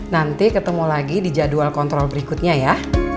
nanti ketemu lagi di jadwal kontrol berikutnya ya